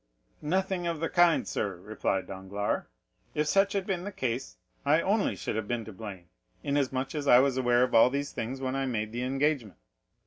"Nothing of the kind, sir," replied Danglars: "if such had been the case, I only should have been to blame, inasmuch as I was aware of all these things when I made the engagement.